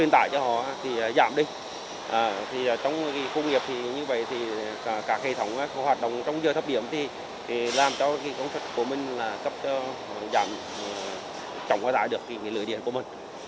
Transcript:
trong khu nghiệp như vậy các hệ thống hoạt động trong giờ thấp điểm làm cho công chức của mình cấp giảm trọng và giả được lưỡi điện của mình